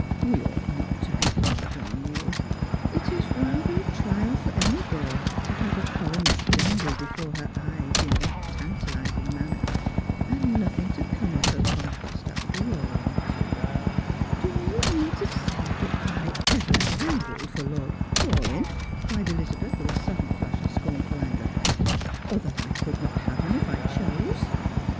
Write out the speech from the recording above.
" We ought not to be hard upon you. It is rather a trial for any girl to have a coronet dangled before her eyes in that tantalising manner, and nothing to come of her conquest after all!" " Po you mean to say that I ever angled for Lord Paulyn^" 1 126 Stranffers and JPilgrime. cried Elizabeth, with a sudden flash of scornful anger, " or that I could not have him if I chose?